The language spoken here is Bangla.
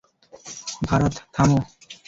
ভারাথ, থামো!